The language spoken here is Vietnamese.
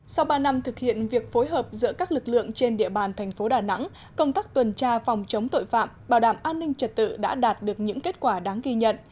sau ba năm thực hiện việc phối hợp giữa các lực lượng trên địa bàn thành phố đà nẵng công tác tuần tra phòng chống tội phạm bảo đảm an ninh trật tự đã đạt được những kết quả đáng ghi nhận